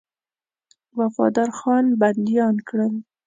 وفادارخان بنديان کړل.